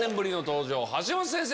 橋下先生